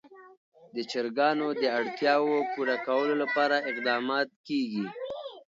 د چرګانو د اړتیاوو پوره کولو لپاره اقدامات کېږي.